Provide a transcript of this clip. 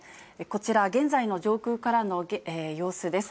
こちら、現在の上空からの様子です。